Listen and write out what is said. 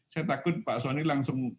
saya takut pak soni langsung